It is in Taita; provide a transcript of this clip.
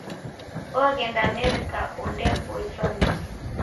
Oghenda Amerika ondeboiswa meso.